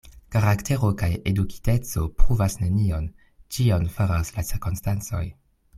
Karaktero kaj edukiteco pruvas nenion; ĉion faras la cirkonstancoj.